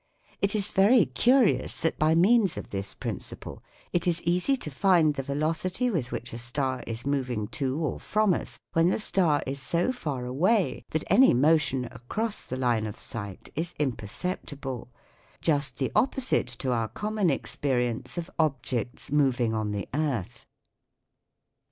It is very curious that by means of this principle it is easy to find the velocity with which a star is moving to or from us when the star is so far away that any motion across the line of sight is imperceptible : just the opposite to our common experience of objects moving on the earth.